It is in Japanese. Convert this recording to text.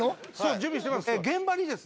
準備してます